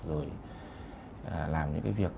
rồi làm những cái việc